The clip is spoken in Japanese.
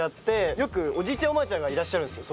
よくおじいちゃんおばあちゃんがいらっしゃるんですよ